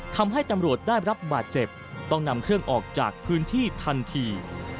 ทำให้ตำรวจได้รับบาดเจ็บต้องนำเครื่องออกจากพื้นที่ทันที